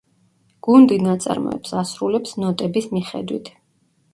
გუნდი ნაწარმოებს ასრულებს ნოტების მიხედვით.